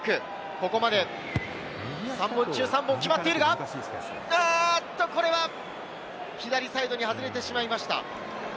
ここまで３本中３本決まっているが、これは左サイドに外れてしまいました。